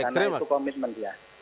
karena itu komitmen dia